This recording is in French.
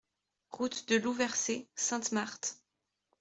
Route de Louversey, Sainte-Marthe